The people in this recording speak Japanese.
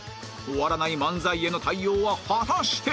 終わらない漫才への対応は果たして